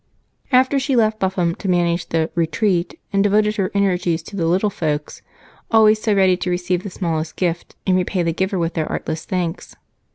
After that she left Buffum to manage the "Retreat," and devoted her energies to the little folks, always so ready to receive the smallest gift and repay the giver with their artless thanks.